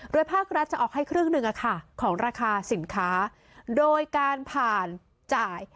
ภาครัฐจะออกให้ครึ่งหนึ่งของราคาสินค้าโดยการผ่านจ่าย